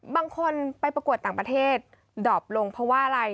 บางคนไปประกวดต่างประเทศดอบลงเพราะว่าอะไร